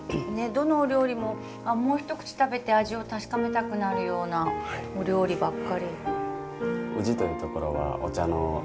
どのお料理ももう一口食べて味を確かめたくなるようなお料理ばっかり。